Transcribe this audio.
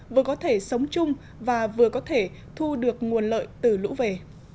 vừa có thể sống chung và vừa có thể thu được nguồn lợi từ lũ về